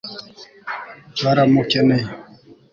baramukeneye